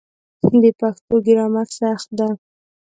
د پښتو ګرامر سخت ده